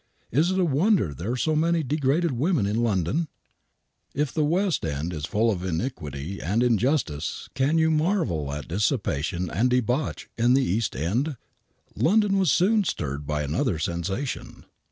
Is it a wonder there are so many degraded women in London ? If West End is full of iniquity and injustice can you marvel at dissipation and debauch in East End ? London was soon stirred by another sensation.